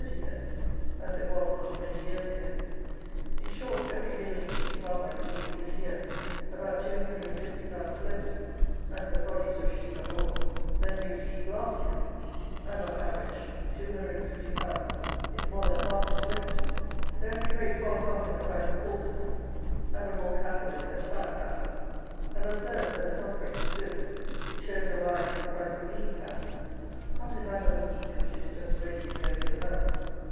_ as it was not many years ago! In short, every middling sheep farmer receives, this year, about 250_l._ less, as the produce of sheep and wool, than he received last year; and, on an average, 250_l._ is more than half his rent. There is a great falling off in the price of horses, and of all cattle except fat cattle; and, observe, when the prospect is good, it shows a rise in the price of lean cattle; not in that of the meat which is just ready to go into the mouth.